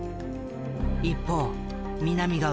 一方南側。